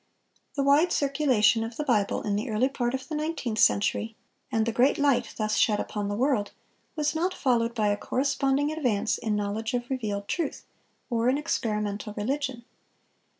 The wide circulation of the Bible in the early part of the nineteenth century, and the great light thus shed upon the world, was not followed by a corresponding advance in knowledge of revealed truth, or in experimental religion.